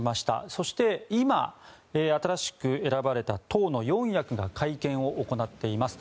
そして今新しく選ばれた党の四役が会見を行っています。